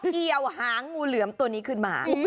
เกี่ยวหางงูเหลือมตัวนี้ขึ้นมา